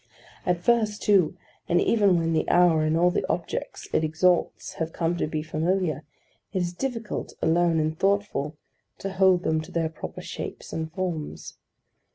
At first, too, and even when the hour, and all the objects it exalts, have come to be familiar, it is difficult, alone and thoughtful, to hold them to their proper shapes and forms.